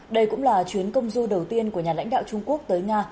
đây cũng là chuyến công du đầu tiên của nhà lãnh đạo trung quốc tới nga